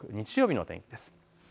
日曜日の天気です。